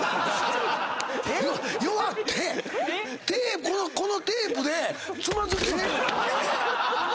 弱ってこのテープでつまずきよったんや。